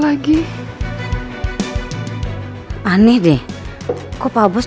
bagaimana sekarang ini